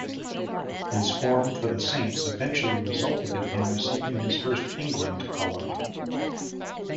His form for the Saints eventually resulted in him receiving his first England call-up.